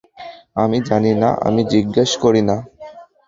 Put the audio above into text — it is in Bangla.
আমি জানি না, আমি জিজ্ঞেস করি নি।